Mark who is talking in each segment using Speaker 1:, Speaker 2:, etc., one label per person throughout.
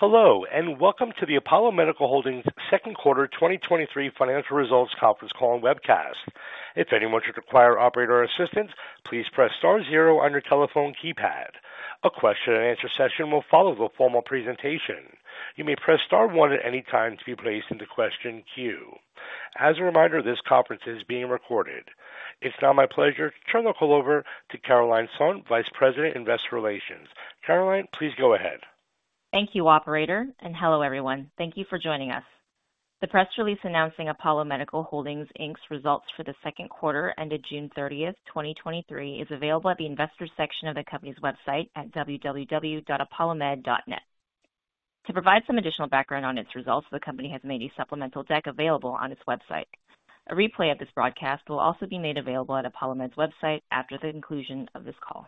Speaker 1: Hello, and welcome to the Apollo Medical Holdings second quarter 2023 financial results conference call and webcast. If anyone should require operator assistance, please press star zero on your telephone keypad. A question and answer session will follow the formal presentation. You may press star one at any time to be placed in the question queue. As a reminder, this conference is being recorded. It's now my pleasure to turn the call over to Caroline Son, Vice President, Investor Relations. Caroline, please go ahead.
Speaker 2: Thank you, operator, and hello, everyone. Thank you for joining us. The press release announcing Apollo Medical Holdings Inc.'s results for the second quarter ended June 30th, 2023, is available at the investors section of the company's website at www.apollomed.net. To provide some additional background on its results, the company has made a supplemental deck available on its website. A replay of this broadcast will also be made available at ApolloMed's website after the conclusion of this call.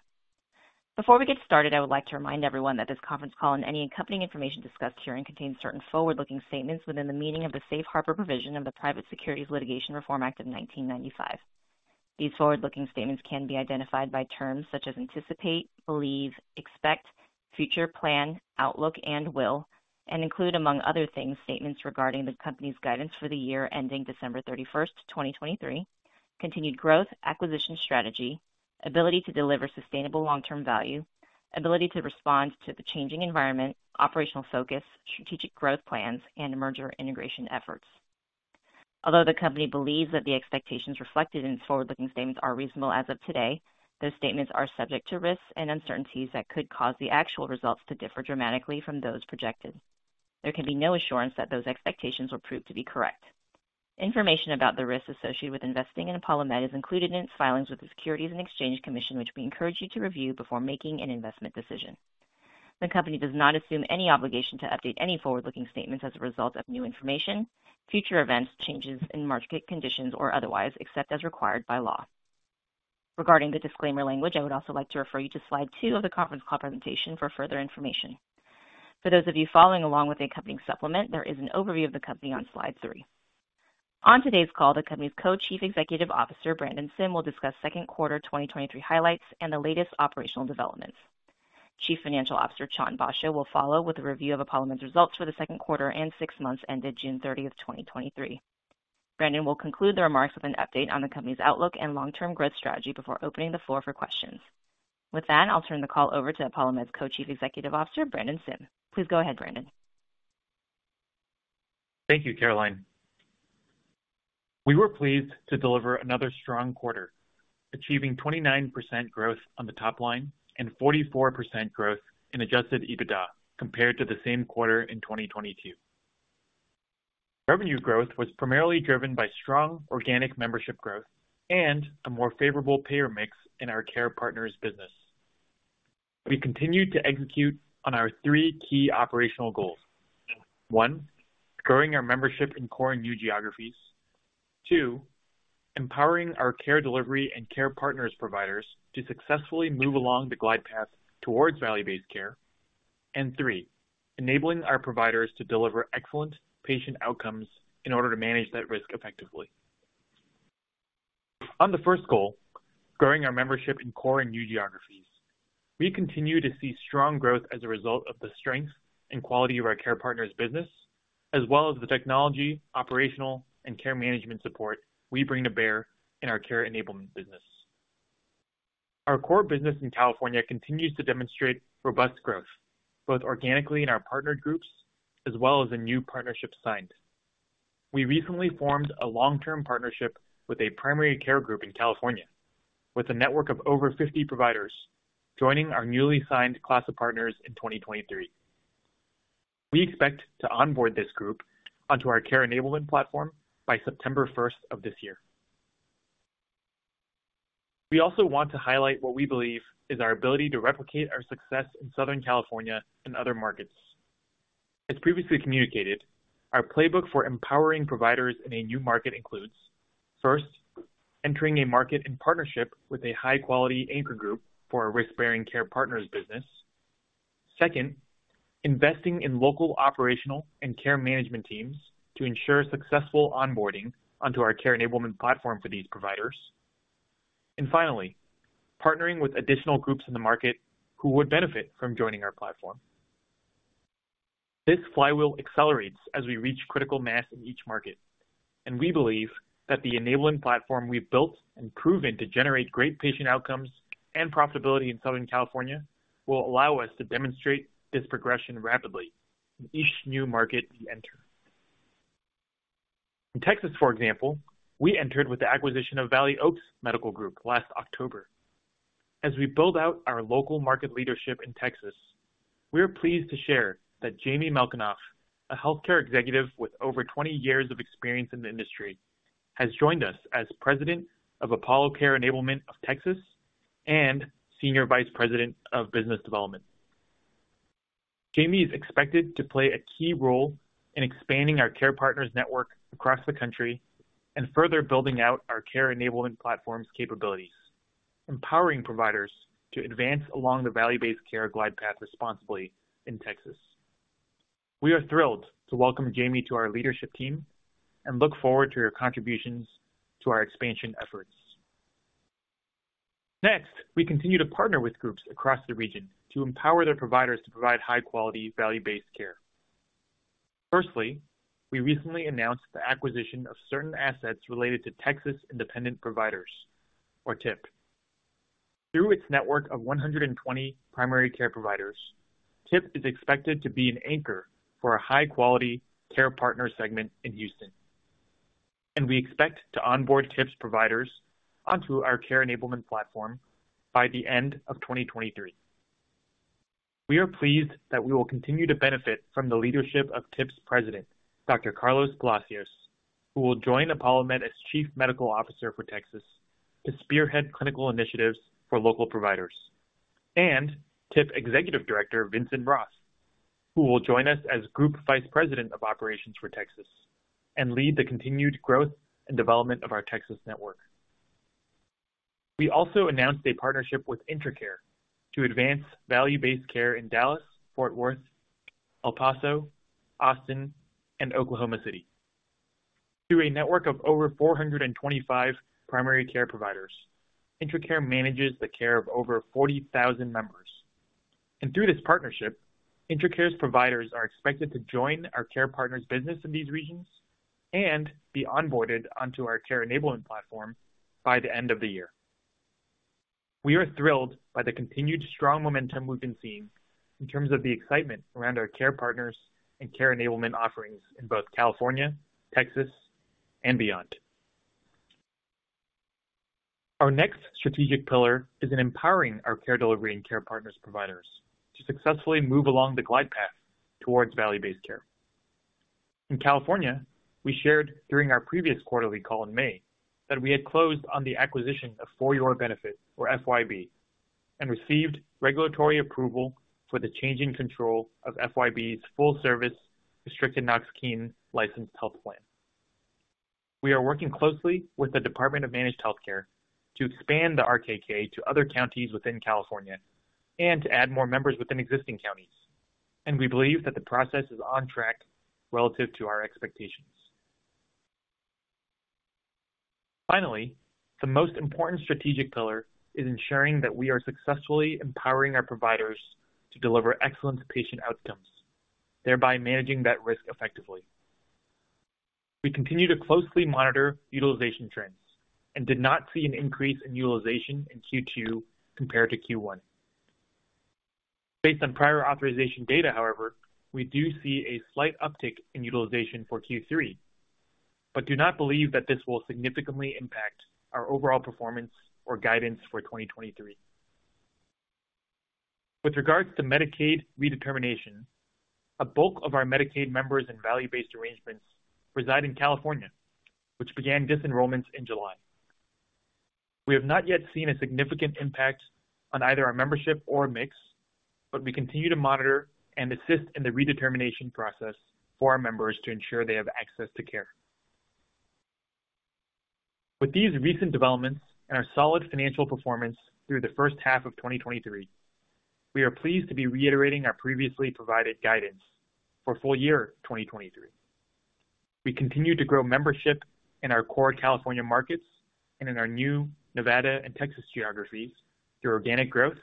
Speaker 2: Before we get started, I would like to remind everyone that this conference call and any accompanying information discussed herein contains certain forward-looking statements within the meaning of the Safe Harbor provision of the Private Securities Litigation Reform Act of 1995. These forward-looking statements can be identified by terms such as anticipate, believe, expect, future plan, outlook, and will, and include, among other things, statements regarding the company's guidance for the year ending December 31, 2023, continued growth, acquisition strategy, ability to deliver sustainable long-term value, ability to respond to the changing environment, operational focus, strategic growth plans, and merger integration efforts. Although the company believes that the expectations reflected in its forward-looking statements are reasonable as of today, those statements are subject to risks and uncertainties that could cause the actual results to differ dramatically from those projected. There can be no assurance that those expectations will prove to be correct. Information about the risks associated with investing in ApolloMed is included in its filings with the Securities and Exchange Commission, which we encourage you to review before making an investment decision. The company does not assume any obligation to update any forward-looking statements as a result of new information, future events, changes in market conditions, or otherwise, except as required by law. Regarding the disclaimer language, I would also like to refer you to slide two of the conference call presentation for further information. For those of you following along with the accompanying supplement, there is an overview of the company on slide three. On today's call, the company's Co-Chief Executive Officer, Brandon Sim, will discuss second quarter 2023 highlights and the latest operational developments. Chief Financial Officer, Chan Basho, will follow with a review of ApolloMed's results for the second quarter and six months ended June 30, 2023. Brandon will conclude the remarks with an update on the company's outlook and long-term growth strategy before opening the floor for questions. With that, I'll turn the call over to ApolloMed's Co-Chief Executive Officer, Brandon Sim. Please go ahead, Brandon.
Speaker 3: Thank you, Caroline. We were pleased to deliver another strong quarter, achieving 29% growth on the top line and 44% growth in adjusted EBITDA compared to the same quarter in 2022. Revenue growth was primarily driven by strong organic membership growth and a more favorable payer mix in our Care Partners business. We continued to execute on our three key operational goals: One, growing our membership in core and new geographies. Two, empowering our Care Delivery and Care Partners providers to successfully move along the glide path towards value-based care. Three, enabling our providers to deliver excellent patient outcomes in order to manage that risk effectively. On the first goal, growing our membership in core and new geographies, we continue to see strong growth as a result of the strength and quality of our Care Partners business, as well as the technology, operational, and Care Management support we bring to bear in our Care Enablement business. Our core business in California continues to demonstrate robust growth, both organically in our partnered groups as well as the new partnerships signed. We recently formed a long-term partnership with a primary care group in California with a network of over 50 providers, joining our newly signed class of partners in 2023. We expect to onboard this group onto our Care Enablement platform by September first of this year. We also want to highlight what we believe is our ability to replicate our success in Southern California and other markets. As previously communicated, our playbook for empowering providers in a new market includes, first, entering a market in partnership with a high-quality anchor group for our risk-bearing Care Partners business. Second, investing in local, operational, and care management teams to ensure successful onboarding onto our Care Enablement platform for these providers. Finally, partnering with additional groups in the market who would benefit from joining our platform. This flywheel accelerates as we reach critical mass in each market, and we believe that the enabling platform we've built and proven to generate great patient outcomes and profitability in Southern California will allow us to demonstrate this progression rapidly in each new market we enter. In Texas, for example, we entered with the acquisition of Valley Oaks Medical Group last October. As we build out our local market leadership in Texas, we are pleased to share that Jaime Melkonoff, a healthcare executive with over 20 years of experience in the industry, has joined us as President of Apollo Care Enablement of Texas and Senior Vice President of Business Development. Jaime is expected to play a key role in expanding our care partners network across the country and further building out our Care Enablement platform's capabilities, empowering providers to advance along the value-based care glide path responsibly in Texas. We are thrilled to welcome Jaime to our leadership team and look forward to your contributions to our expansion efforts. Next, we continue to partner with groups across the region to empower their providers to provide high quality, value-based care. Firstly, we recently announced the acquisition of certain assets related to Texas Independent Providers, or TIP. Through its network of 120 primary care providers, TIP is expected to be an anchor for a high quality Care Partners segment in Houston, and we expect to onboard TIP's providers onto our Care Enablement platform by the end of 2023. We are pleased that we will continue to benefit from the leadership of TIP's President, Dr. Carlos Palacios, who will join ApolloMed as Chief Medical Officer for Texas to spearhead clinical initiatives for local providers, and TIP Executive Director, Vincent Roth, who will join us as Group Vice President of Operations for Texas and lead the continued growth and development of our Texas network. We also announced a partnership with IntraCare to advance value-based care in Dallas, Fort Worth, El Paso, Austin, and Oklahoma City. Through a network of over 425 primary care providers, IntraCare manages the care of over 40,000 members, and through this partnership, IntraCare's providers are expected to join our Care Partners business in these regions and be onboarded onto our Care Enablement platform by the end of the year. We are thrilled by the continued strong momentum we've been seeing in terms of the excitement around our Care Partners and Care Enablement offerings in both California, Texas, and beyond. Our next strategic pillar is in empowering our Care Delivery and Care Partners providers to successfully move along the glide path towards value-based care. In California, we shared during our previous quarterly call in May, that we had closed on the acquisition of For Your Benefit, or FYB, and received regulatory approval for the change in control of FYB's full service, restricted Knox-Keene licensed health plan. We are working closely with the Department of Managed Health Care to expand the RKK to other counties within California and to add more members within existing counties. We believe that the process is on track relative to our expectations. Finally, the most important strategic pillar is ensuring that we are successfully empowering our providers to deliver excellent patient outcomes, thereby managing that risk effectively. We continue to closely monitor utilization trends and did not see an increase in utilization in Q2 compared to Q1. Based on prior authorization data, however, we do see a slight uptick in utilization for Q3. We do not believe that this will significantly impact our overall performance or guidance for 2023. With regards to Medicaid redetermination, a bulk of our Medicaid members in value-based arrangements reside in California, which began disenrollments in July. We have not yet seen a significant impact on either our membership or mix, but we continue to monitor and assist in the redetermination process for our members to ensure they have access to care. With these recent developments and our solid financial performance through the first half of 2023, we are pleased to be reiterating our previously provided guidance for full year 2023. We continue to grow membership in our core California markets and in our new Nevada and Texas geographies through organic growth,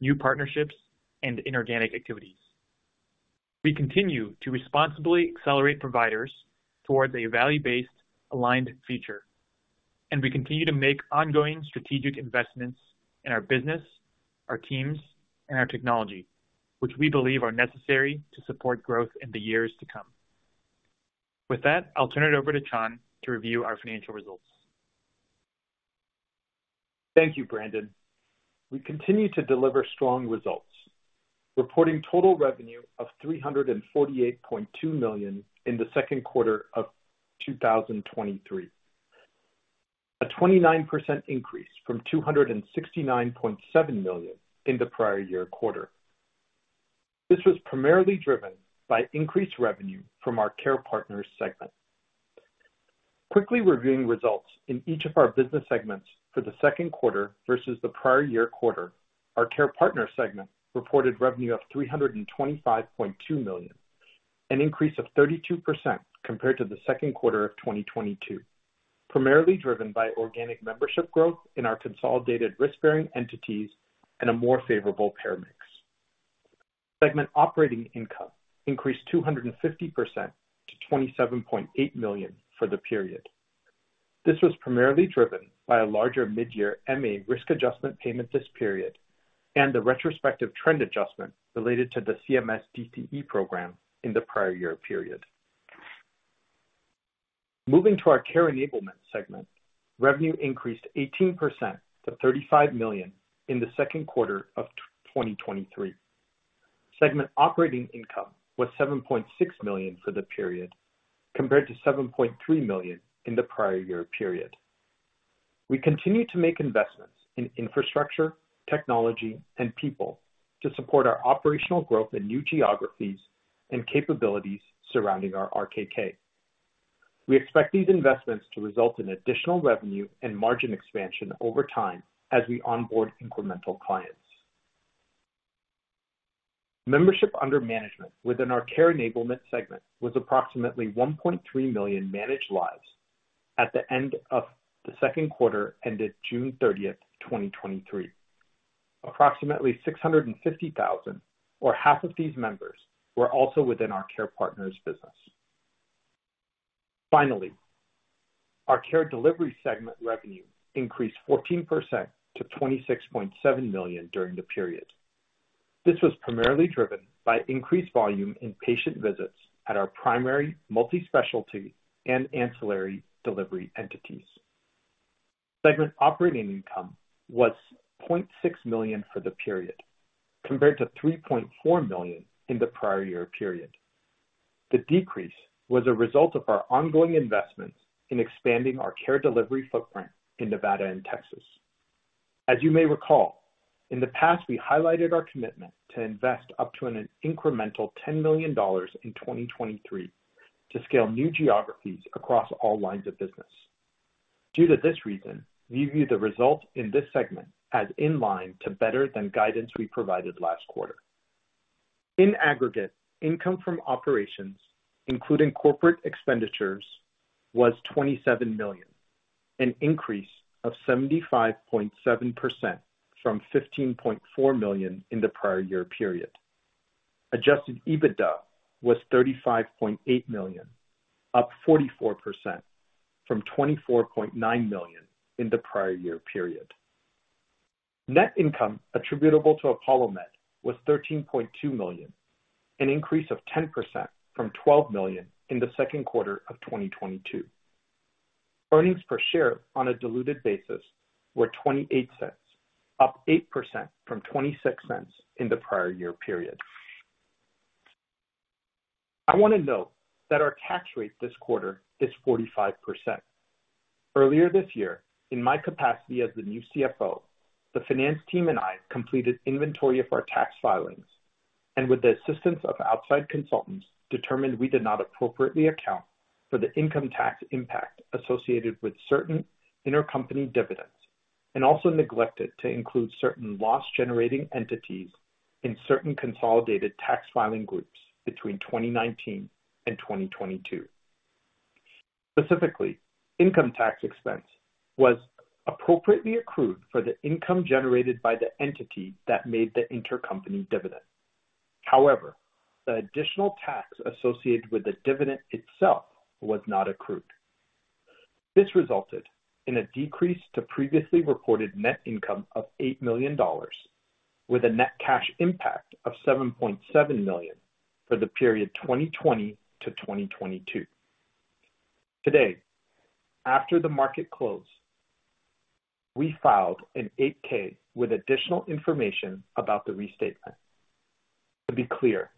Speaker 3: new partnerships, and inorganic activities. We continue to responsibly accelerate providers towards a value-based aligned future, and we continue to make ongoing strategic investments in our business, our teams, and our technology, which we believe are necessary to support growth in the years to come. With that, I'll turn it over to Chan to review our financial results.
Speaker 4: Thank you, Brandon. We continue to deliver strong results, reporting total revenue of $348.2 million in the second quarter of 2023, a 29% increase from $269.7 million in the prior year quarter. This was primarily driven by increased revenue from our Care Partners segment. Quickly reviewing results in each of our business segments for the second quarter versus the prior year quarter. Our Care Partners segment reported revenue of $325.2 million, an increase of 32% compared to the second quarter of 2022, primarily driven by organic membership growth in our consolidated risk-bearing entities and a more favorable payer mix. Segment operating income increased 250% to $27.8 million for the period. This was primarily driven by a larger mid-year MA risk adjustment payment this period and the retrospective trend adjustment related to the CMS DCE program in the prior year period. Moving to our Care Enablement segment, revenue increased 18% to $35 million in the second quarter of 2023. Segment operating income was $7.6 million for the period, compared to $7.3 million in the prior year period. We continue to make investments in infrastructure, technology, and people to support our operational growth in new geographies and capabilities surrounding our RKK. We expect these investments to result in additional revenue and margin expansion over time as we onboard incremental clients. Membership under management within our Care Enablement segment was approximately 1.3 million managed lives at the end of the second quarter, ended June 30th, 2023. Approximately 650,000, or half of these members, were also within our Care Partners business. Our Care Delivery segment revenue increased 14% to $26.7 million during the period. This was primarily driven by increased volume in patient visits at our primary multi-specialty and ancillary delivery entities. Segment operating income was $0.6 million for the period, compared to $3.4 million in the prior year period. The decrease was a result of our ongoing investments in expanding our Care Delivery footprint in Nevada and Texas. As you may recall, in the past, we highlighted our commitment to invest up to an incremental $10 million in 2023 to scale new geographies across all lines of business. Due to this reason, we view the results in this segment as in line to better than guidance we provided last quarter. In aggregate, income from operations, including corporate expenditures, was $27 million, an increase of 75.7% from $15.4 million in the prior year period. Adjusted EBITDA was $35.8 million, up 44% from $24.9 million in the prior year period. Net income attributable to ApolloMed was $13.2 million, an increase of 10% from $12 million in the second quarter of 2022. Earnings per share on a diluted basis were $0.28, up 8% from $0.26 in the prior year period. I want to note that our tax rate this quarter is 45%. Earlier this year, in my capacity as the new CFO, the finance team and I completed inventory of our tax filings, and with the assistance of outside consultants, determined we did not appropriately account for the income tax impact associated with certain intercompany dividends, and also neglected to include certain loss-generating entities in certain consolidated tax filing groups between 2019 and 2022. Specifically, income tax expense was appropriately accrued for the income generated by the entity that made the intercompany dividend. The additional tax associated with the dividend itself was not accrued. This resulted in a decrease to previously reported net income of $8 million, with a net cash impact of $7.7 million for the period 2022 - 2022. Today, after the market closed, we filed an 8-K with additional information about the restatement. To be clear,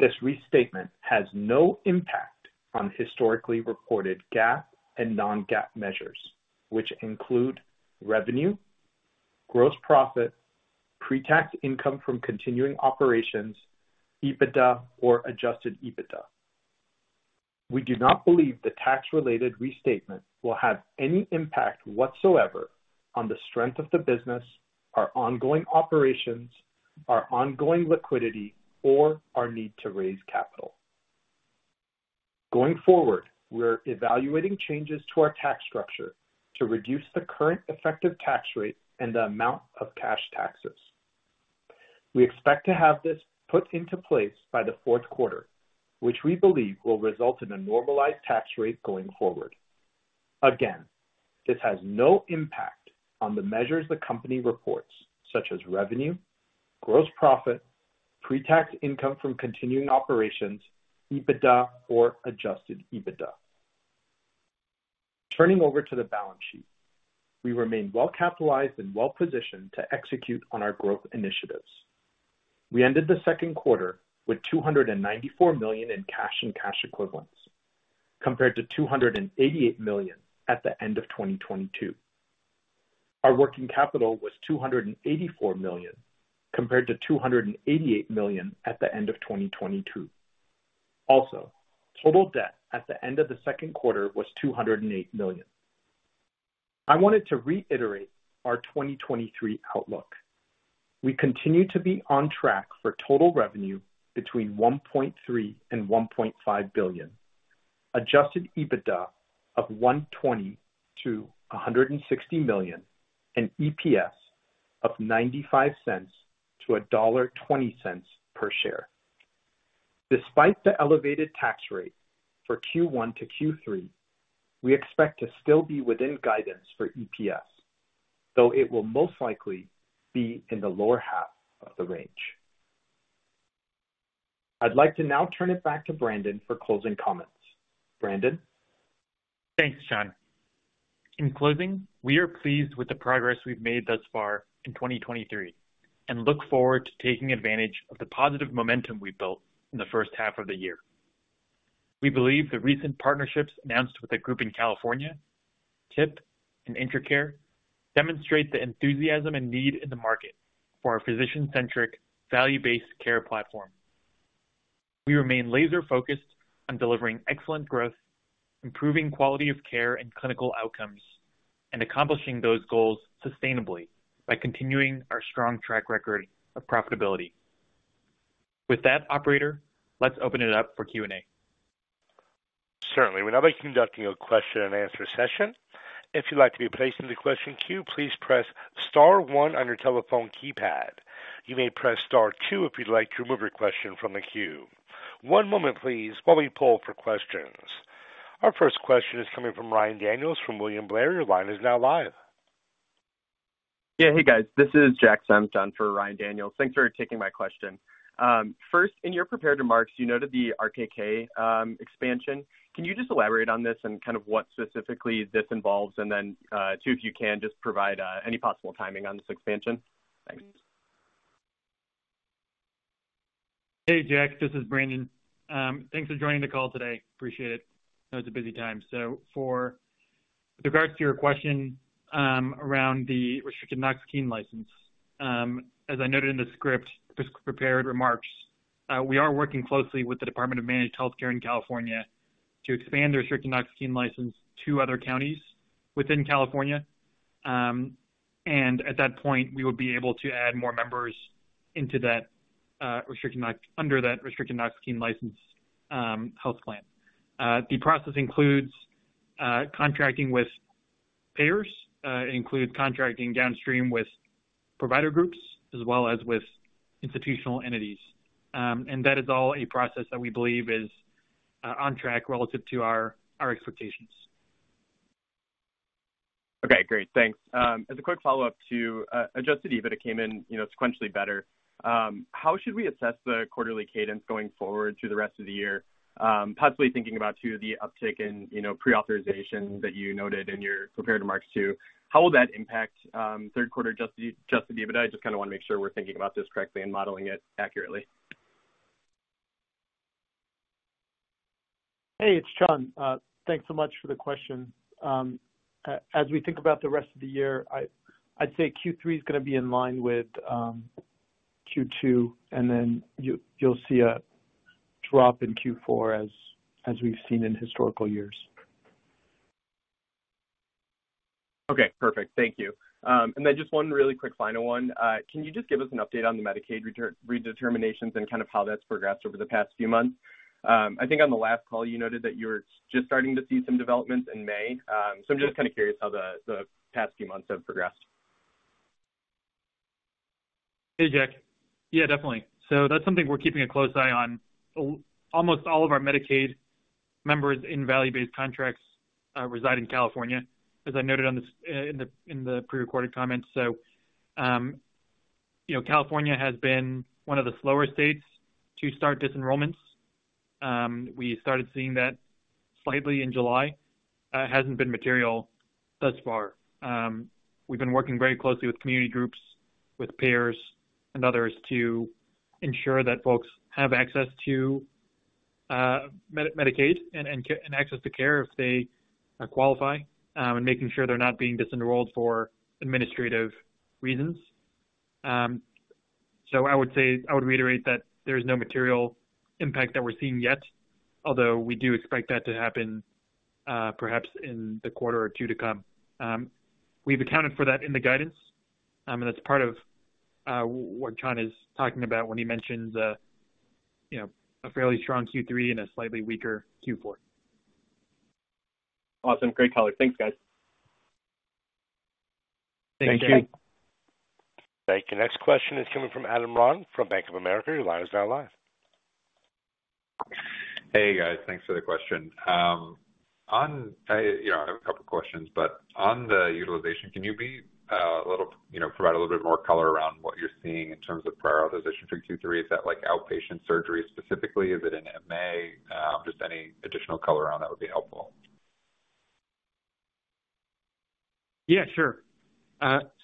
Speaker 4: this restatement has no impact on historically reported GAAP and non-GAAP measures, which include revenue, gross profit, pre-tax income from continuing operations, EBITDA or adjusted EBITDA. We do not believe the tax-related restatement will have any impact whatsoever on the strength of the business, our ongoing operations, our ongoing liquidity, or our need to raise capital. Going forward, we're evaluating changes to our tax structure to reduce the current effective tax rate and the amount of cash taxes. We expect to have this put into place by the fourth quarter, which we believe will result in a normalized tax rate going forward. Again, this has no impact on the measures the company reports, such as revenue, gross profit, pre-tax income from continuing operations, EBITDA or adjusted EBITDA. Turning over to the balance sheet, we remain well capitalized and well positioned to execute on our growth initiatives. We ended the second quarter with $294 million in cash and cash equivalents, compared to $288 million at the end of 2022. Our working capital was $284 million, compared to $288 million at the end of 2022. Total debt at the end of the second quarter was $208 million. I wanted to reiterate our 2023 outlook. We continue to be on track for total revenue between $1.3 billion and $1.5 billion, adjusted EBITDA of $120 million-$160 million, and EPS of $0.95-$1.20 per share. Despite the elevated tax rate for Q1-Q3, we expect to still be within guidance for EPS, though it will most likely be in the lower half of the range. I'd like to now turn it back to Brandon for closing comments. Brandon?
Speaker 3: Thanks, Chan. In closing, we are pleased with the progress we've made thus far in 2023 and look forward to taking advantage of the positive momentum we've built in the first half of the year. We believe the recent partnerships announced with a group in California, TIP and IntraCare, demonstrate the enthusiasm and need in the market for our physician-centric, value-based care platform. We remain laser focused on delivering excellent growth, improving quality of care and clinical outcomes, and accomplishing those goals sustainably by continuing our strong track record of profitability. With that, operator, let's open it up for Q&A.
Speaker 1: Certainly. We'll now be conducting a question-and-answer session. If you'd like to be placed in the question queue, please press star one on your telephone keypad. You may press star two if you'd like to remove your question from the queue. One moment please, while we poll for questions. Our first question is coming from Ryan Daniels from William Blair. Your line is now live.
Speaker 5: Yeah. Hey, guys, this is Jack Senft for Ryan Daniels. Thanks for taking my question. First, in your prepared remarks, you noted the RKK expansion. Can you just elaborate on this and kind of what specifically this involves? Then, two, if you can just provide any possible timing on this expansion? Thanks.
Speaker 3: Hey, Jack, this is Brandon. Thanks for joining the call today. Appreciate it. Know it's a busy time. So for regards to your question, around the restricted Knox-Keene license, as I noted in the script, prepared remarks, we are working closely with the Department of Managed Health Care in California to expand the restricted Knox-Keene license to other counties within California. At that point, we will be able to add more members into that, under that restricted Knox-Keene license, health plan. The process includes contracting with payers, includes contracting downstream with provider groups as well as with institutional entities. That is all a process that we believe is on track relative to our, our expectations.
Speaker 5: Okay, great. Thanks. As a quick follow-up to adjusted EBITDA, it came in, you know, sequentially better. How should we assess the quarterly cadence going forward through the rest of the year? Possibly thinking about too, the uptick in, you know, pre-authorization that you noted in your prepared remarks, too. How will that impact third quarter adjusted EBITDA? I just kind of want to make sure we're thinking about this correctly and modeling it accurately.
Speaker 4: Hey, it's Chan. Thanks so much for the question. As we think about the rest of the year, I, I'd say Q3 is gonna be in line with Q2, and then you'll see a drop in Q4 as we've seen in historical years.
Speaker 5: Okay, perfect. Thank you. Then just one really quick final one. Can you just give us an update on the Medicaid redeterminations and kind of how that's progressed over the past few months? I think on the last call, you noted that you were just starting to see some developments in May. I'm just kind of curious how the, the past few months have progressed.
Speaker 3: Hey, Jack. Yeah, definitely. That's something we're keeping a close eye on. Almost all of our Medicaid members in value-based contracts reside in California, as I noted on this in the prerecorded comments. You know, California has been one of the slower states to start disenrollments. We started seeing that slightly in July. It hasn't been material thus far. We've been working very closely with community groups, with payers and others to ensure that folks have access to Medicaid and access to care if they qualify and making sure they're not being disenrolled for administrative reasons. I would say, I would reiterate that there is no material impact that we're seeing yet, although we do expect that to happen perhaps in the quarter or two to come. We've accounted for that in the guidance, and that's part of what Chan is talking about when he mentions, you know, a fairly strong Q3 and a slightly weaker Q4.
Speaker 5: Awesome. Great color. Thanks, guys.
Speaker 3: Thanks, Jack.
Speaker 1: Thank you. Okay, your next question is coming from Adam Ron, from Bank of America. Your line is now live.
Speaker 6: Hey, guys, thanks for the question. On, you know, I have a couple of questions, but on the utilization, can you be a little, you know, provide a little bit more color around what you're seeing in terms of prior authorization for Q3? Is that like outpatient surgery specifically? Is it in MA? Just any additional color around that would be helpful.
Speaker 3: Yeah, sure.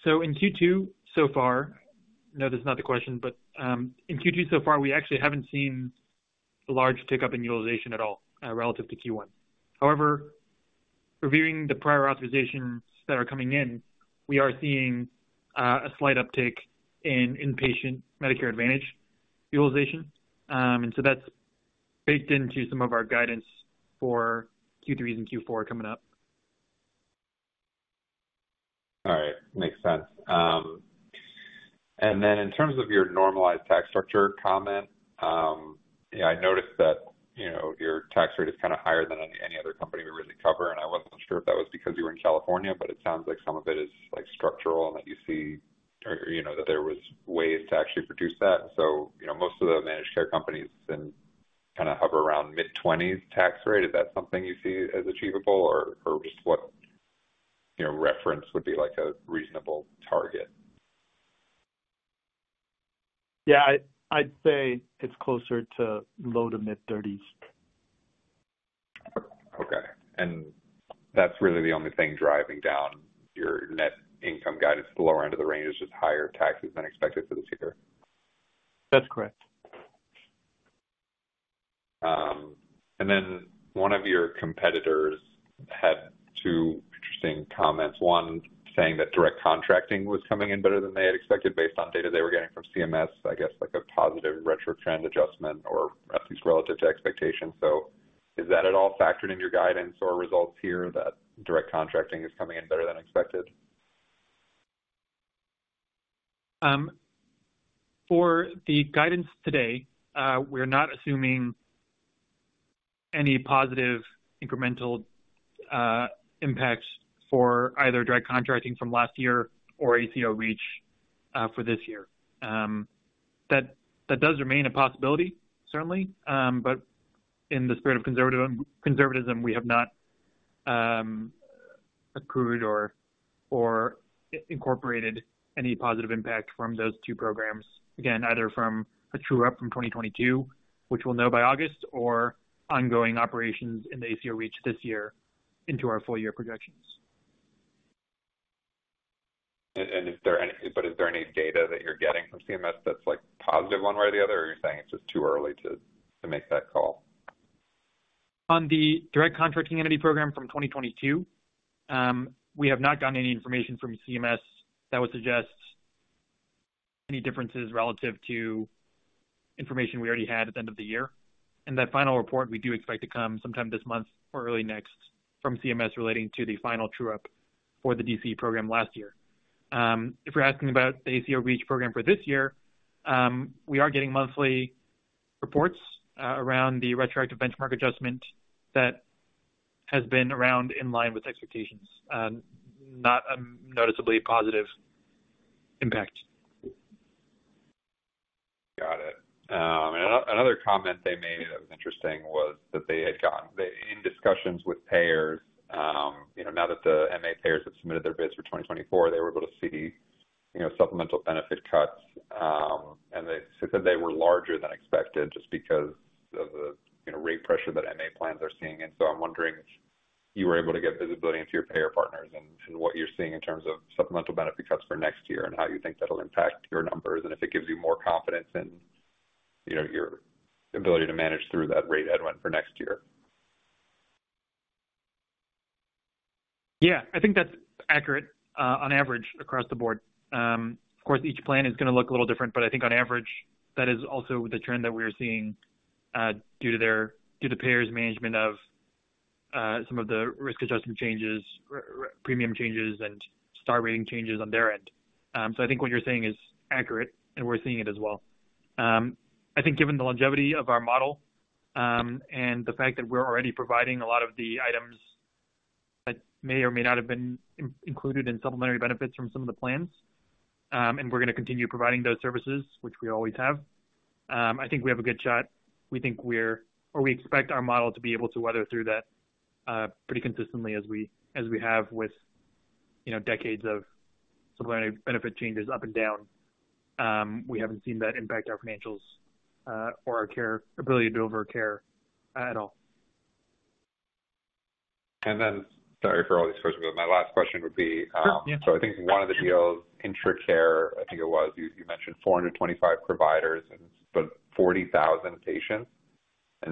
Speaker 3: so in Q2, so far, I know that's not the question, but, in Q2, so far, we actually haven't seen a large tick-up in utilization at all, relative to Q1. However, reviewing the prior authorizations that are coming in, we are seeing, a slight uptick in inpatient Medicare Advantage utilization. So that's baked into some of our guidance for Q3 and Q4 coming up.
Speaker 6: All right. Makes sense. Then in terms of your normalized tax structure comment, yeah, I noticed that, you know, your tax rate is kind of higher than any other company we really cover, and I wasn't sure if that was because you were in California, but it sounds like some of it is like structural, and that you see or, you know, that there was ways to actually produce that. You know, most of the managed care companies then kind of hover around mid-twenties tax rate. Is that something you see as achievable or, or just what, you know, reference would be like a reasonable target?
Speaker 4: Yeah, I, I'd say it's closer to low to mid-thirties.
Speaker 6: Okay. That's really the only thing driving down your net income guidance to the lower end of the range, is higher taxes than expected for this year?
Speaker 4: That's correct.
Speaker 6: Then one of your competitors had two interesting comments. One, saying that direct contracting was coming in better than they had expected based on data they were getting from CMS, I guess, like a positive retro trend adjustment or at least relative to expectations. Is that at all factored in your guidance or results here, that direct contracting is coming in better than expected?
Speaker 3: For the guidance today, we're not assuming any positive incremental impacts for either Direct Contracting from last year or ACO REACH for this year. That, that does remain a possibility, certainly, but in the spirit of conservatism, we have not accrued or incorporated any positive impact from those two programs. Again, either from a true-up from 2022, which we'll know by August, or ongoing operations in the ACO REACH this year into our full year projections.
Speaker 6: Is there any data that you're getting from CMS that's, like, positive one way or the other, or you're saying it's just too early to, to make that call?
Speaker 3: On the direct contracting entity program from 2022, we have not gotten any information from CMS that would suggest any differences relative to information we already had at the end of the year. That final report, we do expect to come sometime this month or early next from CMS relating to the final true-up for the DCE program last year. If you're asking about the ACO REACH program for this year, we are getting monthly reports around the retroactive benchmark adjustment that has been around in line with expectations, not a noticeably positive impact.
Speaker 6: Got it. Another comment they made that was interesting was that they had gotten. They, in discussions with payers, you know, now that the MA payers have submitted their bids for 2024, they were able to see, you know, supplemental benefit cuts. They said they were larger than expected just because of the, you know, rate pressure that MA plans are seeing. I'm wondering if you were able to get visibility into your payer partners and, and what you're seeing in terms of supplemental benefit cuts for next year, and how you think that'll impact your numbers, and if it gives you more confidence in, you know, your ability to manage through that rate headwind for next year.
Speaker 3: Yeah, I think that's accurate, on average, across the board. Of course, each plan is gonna look a little different, but I think on average, that is also the trend that we're seeing, due to their-- due to payers' management of, some of the risk adjustment changes, re- premium changes, and star rating changes on their end. I think what you're saying is accurate, and we're seeing it as well. I think given the longevity of our model, and the fact that we're already providing a lot of the items that may or may not have been in-included in supplementary benefits from some of the plans, and we're gonna continue providing those services, which we always have, I think we have a good shot. We think we're, We expect our model to be able to weather through that, pretty consistently as we, as we have with, you know, decades of supplementary benefit changes up and down. We haven't seen that impact our financials, or our care, ability to deliver care at all.
Speaker 6: Sorry for all these questions, but my last question would be.
Speaker 3: Sure, yeah.
Speaker 6: I think one of the deals in IntraCare, I think it was, you mentioned 425 providers and, but 40,000 patients.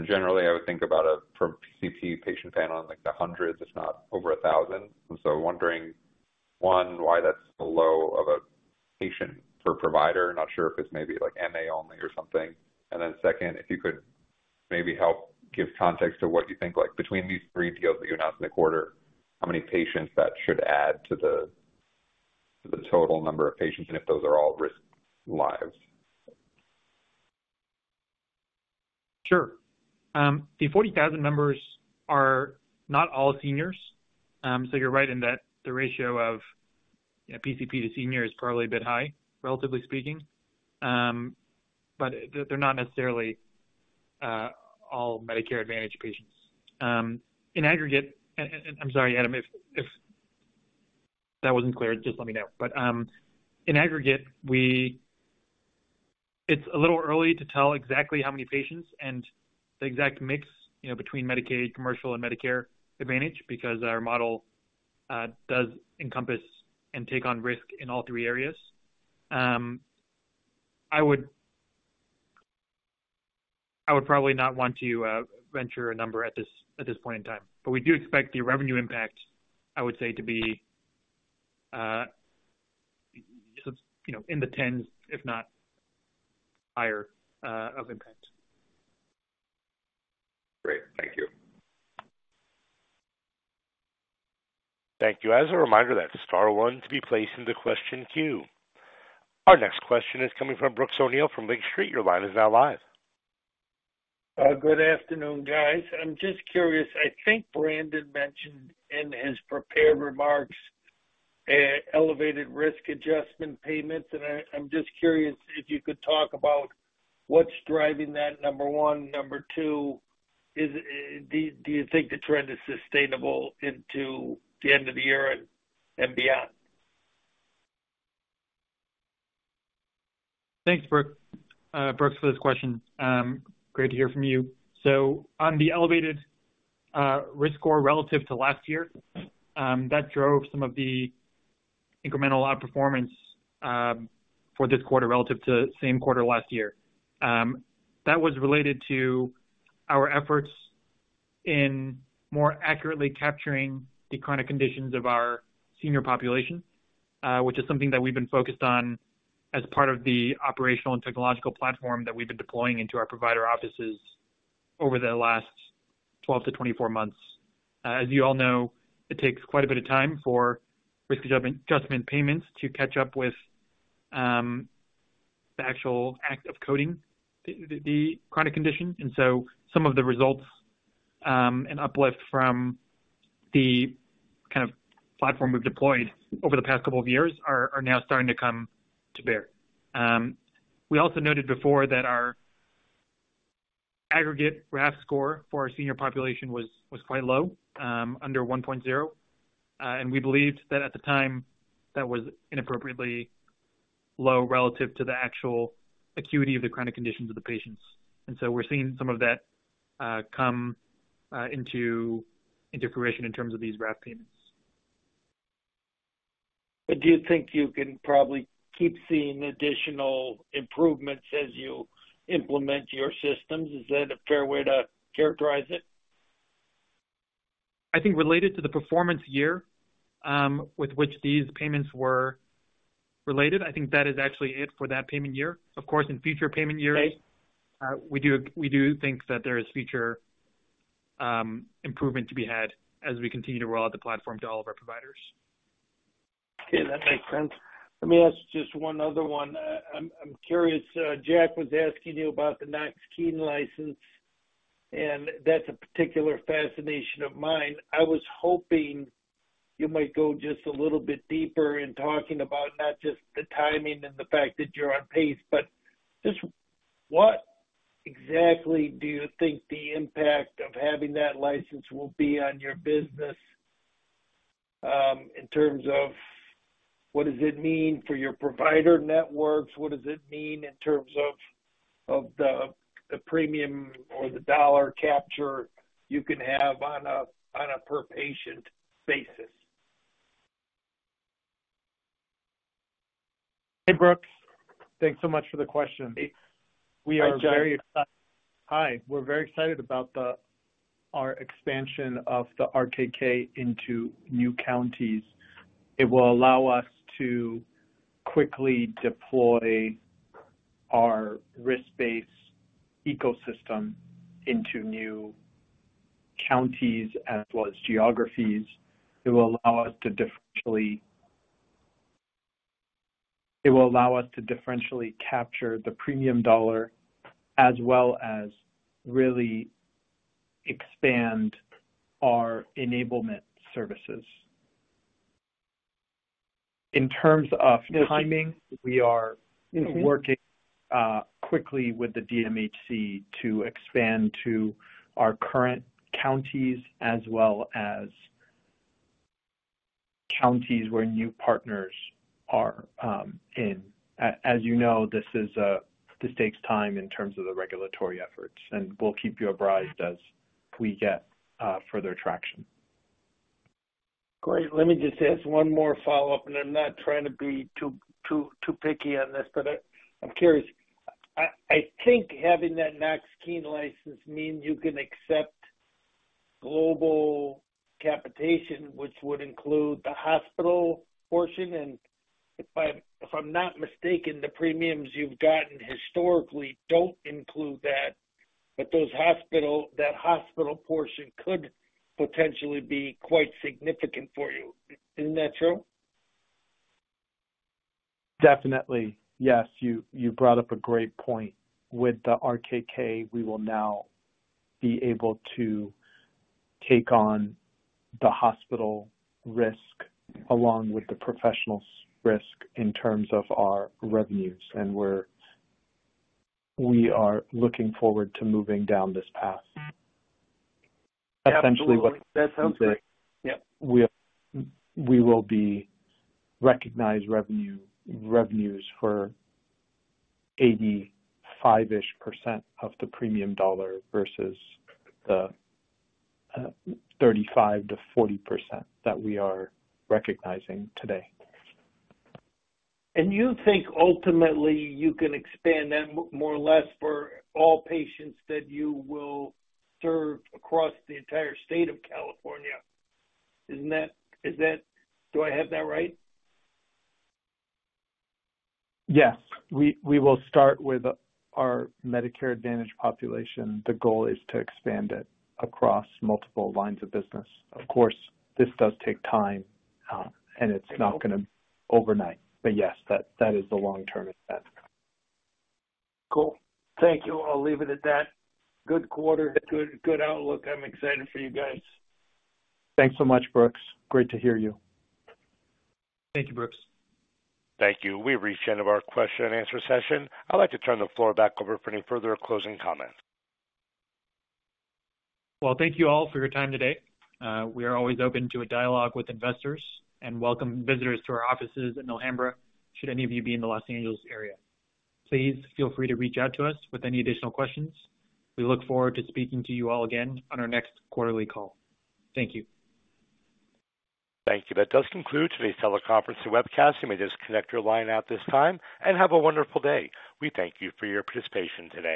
Speaker 6: Generally, I would think about a, from PCP patient panel in, like, the hundreds, if not over 1,000. Wondering, one, why that's so low of a patient per provider? Not sure if it's maybe, like, MA only or something. Then second, if you could maybe help give context to what you think, like, between these three deals that you announced in the quarter, how many patients that should add to the total number of patients, and if those are all risk lives.
Speaker 3: Sure. The 40,000 members are not all seniors. You're right in that the ratio of, you know, PCP to senior is probably a bit high, relatively speaking. They're, they're not necessarily all Medicare Advantage patients. In aggregate, and I'm sorry, Adam, if that wasn't clear, just let me know. In aggregate, we-- it's a little early to tell exactly how many patients and the exact mix, you know, between Medicaid, commercial, and Medicare Advantage, because our model does encompass and take on risk in all three areas. I would, I would probably not want to venture a number at this, at this point in time. We do expect the revenue impact, I would say, to be, you know, in the tens, if not higher, of impact.
Speaker 6: Great. Thank you.
Speaker 1: Thank you. As a reminder, that's star one to be placed in the question queue. Our next question is coming from Brooks O'Neil from Lake Street. Your line is now live.
Speaker 7: Good afternoon, guys. I'm just curious, I think Brandon mentioned in his prepared remarks, elevated risk adjustment payments, and I'm just curious if you could talk about what's driving that, number one. Number two, is, do you think the trend is sustainable into the end of the year and beyond?
Speaker 3: Thanks, Brooks, Brooks, for this question. Great to hear from you. So on the elevated risk score relative to last year, that drove some of the incremental outperformance for this quarter relative to same quarter last year. That was related to our efforts in more accurately capturing the chronic conditions of our senior population, which is something that we've been focused on as part of the operational and technological platform that we've been deploying into our provider offices over the last 12 months-24 months. As you all know, it takes quite a bit of time for risk adjustment, adjustment payments to catch up with the actual act of coding the chronic condition. So some of the results, and uplift from the kind of platform we've deployed over the past couple of years are, are now starting to come to bear. We also noted before that our aggregate RAF score for our senior population was, was quite low, under 1.0. We believed that at the time, that was inappropriately low relative to the actual acuity of the chronic conditions of the patients. So we're seeing some of that come into fruition in terms of these RAF payments.
Speaker 7: Do you think you can probably keep seeing additional improvements as you implement your systems? Is that a fair way to characterize it?
Speaker 3: I think related to the performance year, with which these payments were related, I think that is actually it for that payment year. Of course, in future payment years.
Speaker 7: Okay.
Speaker 3: we do, we do think that there is future, improvement to be had as we continue to roll out the platform to all of our providers.
Speaker 7: Okay, that makes sense. Let me ask just one other one. I'm, I'm curious, Jack was asking you about the Knox-Keene license, and that's a particular fascination of mine. I was hoping you might go just a little bit deeper in talking about not just the timing and the fact that you're on pace, but just what exactly do you think the impact of having that license will be on your business, in terms of what does it mean for your provider networks? What does it mean in terms of, of the, the premium or the dollar capture you can have on a, on a per-patient basis?
Speaker 4: Hey, Brooks. Thanks so much for the question.
Speaker 7: Hi, Jack
Speaker 4: We're very excited about our expansion of the RKK into new counties. It will allow us to quickly deploy our risk-based ecosystem into new counties as well as geographies. It will allow us to differentially capture the premium dollar, as well as really expand our enablement services. In terms of timing, we are.
Speaker 7: Mm-hmm
Speaker 4: working quickly with the DMHC to expand to our current counties as well as counties where new partners are in. As you know, this is this takes time in terms of the regulatory efforts, we'll keep you apprised as we get further traction.
Speaker 7: Great. Let me just ask one more follow-up. I'm not trying to be too, too, too picky on this, but I, I'm curious. I, I think having that Knox-Keene license means you can accept global capitation, which would include the hospital portion. If I'm, if I'm not mistaken, the premiums you've gotten historically don't include that. That hospital portion could potentially be quite significant for you. Isn't that true?
Speaker 8: Definitely, yes. You brought up a great point. With the RKK, we will now be able to take on the hospital risk, along with the professional risk in terms of our revenues. We are looking forward to moving down this path.
Speaker 7: Absolutely.
Speaker 4: Essentially.
Speaker 7: That sounds great. Yep.
Speaker 4: We, we will be recognized revenue, revenues for 85-ish% of the premium dollar versus the, 35%-40% that we are recognizing today.
Speaker 7: You think ultimately you can expand that more or less for all patients that you will serve across the entire state of California? Isn't that... Is that... Do I have that right?
Speaker 4: Yes. We will start with our Medicare Advantage population. The goal is to expand it across multiple lines of business. Of course, this does take time, and it's not gonna overnight. Yes, that, that is the long-term effect.
Speaker 7: Cool. Thank you. I'll leave it at that. Good quarter. Good, good outlook. I'm excited for you guys.
Speaker 4: Thanks so much, Brooks. Great to hear you.
Speaker 3: Thank you, Brooks.
Speaker 1: Thank you. We've reached the end of our question and answer session. I'd like to turn the floor back over for any further closing comments.
Speaker 3: Well, thank you all for your time today. We are always open to a dialogue with investors and welcome visitors to our offices in Alhambra, should any of you be in the Los Angeles area. Please feel free to reach out to us with any additional questions. We look forward to speaking to you all again on our next quarterly call. Thank you.
Speaker 1: Thank you. That does conclude today's teleconference and webcast. You may disconnect your line at this time. Have a wonderful day. We thank you for your participation today.